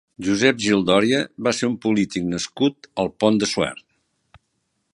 Josep Gil Dòria va ser un polític nascut al Pont de Suert.